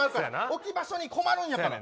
置き場所に困るんやから。